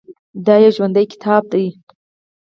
دا یو ژوندی کتاب دی.